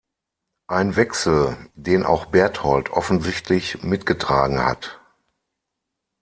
Ein Wechsel, den auch Berthold offensichtlich mitgetragen hat.